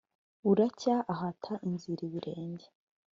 buracya ahata inzira ibirenge.